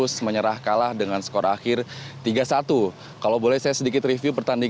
selamat malam eva